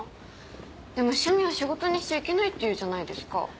でも趣味は仕事にしちゃいけないっていうじゃないですか。